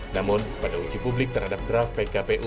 namun pada uji publik terhadap draft pkpu